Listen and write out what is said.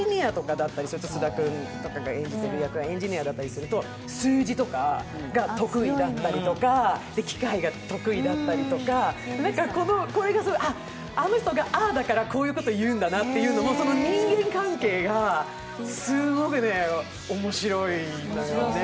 菅田君演じるエンジニアとかだったりすると数字とかが得意だったりとか、機械が得意だったりとかあの人がああだから、こういうことを言うんだなとか、その人間関係がすごく面白いのよね。